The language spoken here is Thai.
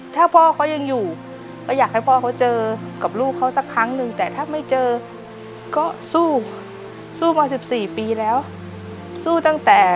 ถ้าพ่อเขายังอยู่ก็อยากให้พ่อเขาเจอกับลูกเขาสักครั้งหนึ่งแต่ถ้าไม่เจอก็สู้สู้มา๑๔ปีแล้วสู้ตั้งแต่